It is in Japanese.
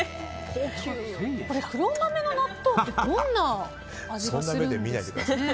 黒豆の納豆ってどんな味がするんですかね。